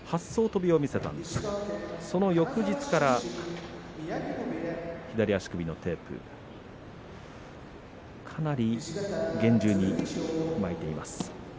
飛びを見せたんですがその翌日から左足首のテープかなり厳重に巻いています。